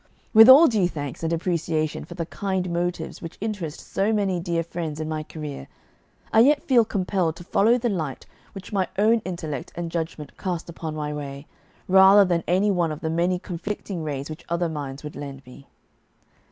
With all due thanks and appreciation for the kind motives which interest so many dear friends in my career, I yet feel compelled to follow the light which my own intellect and judgment cast upon my way, rather than any one of the many conflicting rays which other minds would lend me.